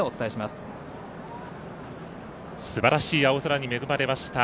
すばらしい青空に恵まれました。